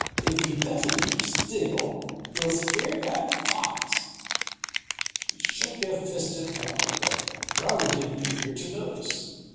"If he doesn't keep still, he'll scare that fox!" He shook a fist at Drummer, but Drummer didn't appear to notice.